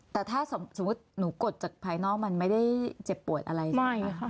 แต่ถ้าสมมุติหนูกดจากภายนอกมันไม่ได้เจ็บปวดอะไรใช่ไหมคะ